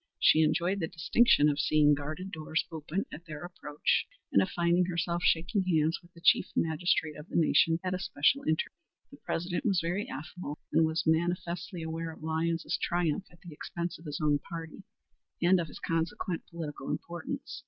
She enjoyed the distinction of seeing guarded doors open at their approach, and of finding herself shaking hands with the chief magistrate of the nation at a special interview. The President was very affable, and was manifestly aware of Lyons's triumph at the expense of his own party, and of his consequent political importance.